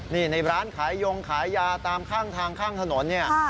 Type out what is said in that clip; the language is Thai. นี่ในร้านขายยงขายยาตามข้างทางข้างถนนเนี่ย